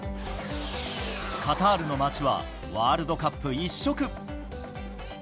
カタールの街はワールドカップ一色。